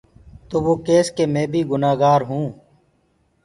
تو وو ڪيس ڪي مي بي گُنآ هونٚ۔